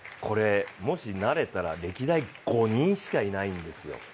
もしなれたら、歴代５人しかいないんですよ。